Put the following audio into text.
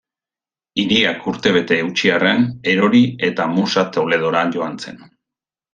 Hiriak urtebete eutsi arren, erori eta Musa Toledora joan zen.